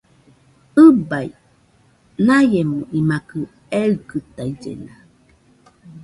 ɨbai, naiemo imakɨ eikɨtaillena